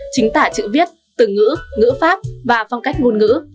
chính tả chữ viết từ ngữ ngữ pháp và phong cách ngôn ngữ